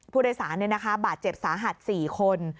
ผู้โดยสารเนี่ยนะคะบาดเจ็บสาหัส๔คน